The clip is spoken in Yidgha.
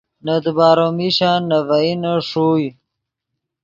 نے دیبارو میشن نے ڤئینے ݰوئے